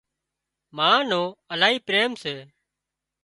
ما نو الاهي پريم سي